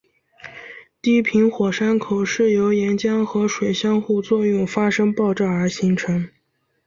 低平火山口是由岩浆和水相互作用发生爆炸而形成。